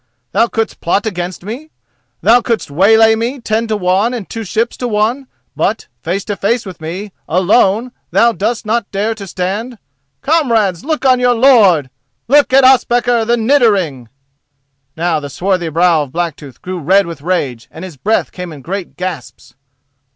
thou couldst plot against me—thou couldst waylay me, ten to one and two ships to one, but face to face with me alone thou dost not dare to stand? Comrades, look on your lord!—look at Ospakar the Niddering!" Now the swarthy brow of Blacktooth grew red with rage, and his breath came in great gasps.